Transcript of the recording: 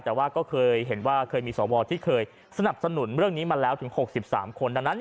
แต่ว่าก็เคยเห็นว่าเคยมีสวที่เคยสนับสนุนเรื่องนี้มาแล้วถึง๖๓คนดังนั้น